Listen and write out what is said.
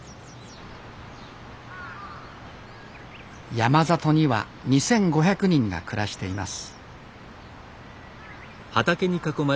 山里には２，５００人が暮らしています